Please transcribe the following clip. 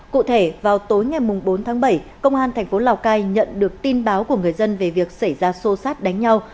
cụ thể vào tối ngày bốn tháng bảy công an thành phố lào cai nhận được tin báo của người dân về việc xảy ra xô xát đánh nhau